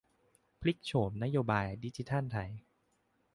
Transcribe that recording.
พลิกโฉมนโยบายดิจิทัลไทย